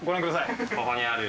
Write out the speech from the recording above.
ここにある。